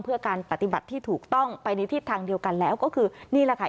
เพื่อการปฏิบัติที่ถูกต้องไปในทิศทางเดียวกันแล้วก็คือนี่แหละค่ะ